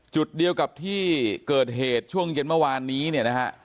จุดเดียวกับที่เกิดเหตุช่วงเย็นเมื่อวานนี้เนี่ยนะฮะ